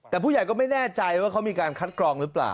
แต่ผู้ใหญ่ก็ไม่แน่ใจว่าเขามีการคัดกรองหรือเปล่า